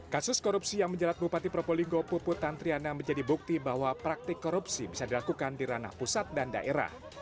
kasus korupsi yang menjerat bupati probolinggo puput tantriana menjadi bukti bahwa praktik korupsi bisa dilakukan di ranah pusat dan daerah